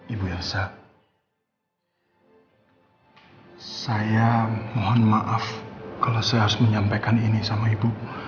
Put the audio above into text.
ibu elsa saya mohon maaf kalau saya harus menyampaikan ini sama ibu